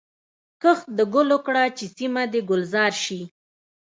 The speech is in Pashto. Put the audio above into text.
کښت د ګلو کړه چي سیمه دي ګلزار سي